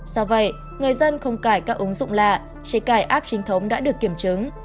do vậy người dân không cải các ứng dụng lạ chế cải app trinh thống đã được kiểm chứng